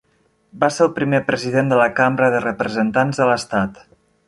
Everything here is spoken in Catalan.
Va ser el primer president de la Cambra de Representants de l'estat.